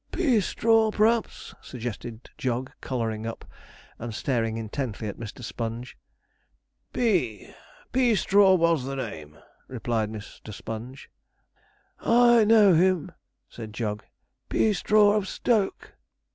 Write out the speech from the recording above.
'_Pea_straw, p'raps?' suggested Jog, colouring up, and staring intently at Mr. Sponge. 'Pea Peastraw was the name,' replied Mr. Sponge. 'I know him,' said Jog; 'Peastraw of Stoke.'